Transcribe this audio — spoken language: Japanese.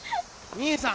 ・兄さん！